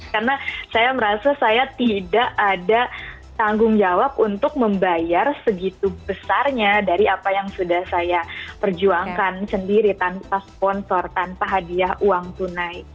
karena saya merasa saya tidak ada tanggung jawab untuk membayar segitu besarnya dari apa yang sudah saya perjuangkan sendiri tanpa sponsor tanpa hadiah uang tunai